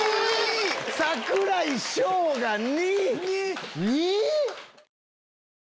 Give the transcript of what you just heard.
⁉櫻井翔が２！